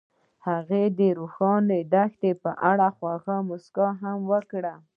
هغې د روښانه دښته په اړه خوږه موسکا هم وکړه.